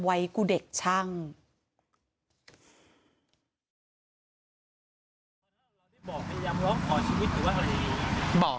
เหตุการณ์เกิดขึ้นแถวคลองแปดลำลูกกา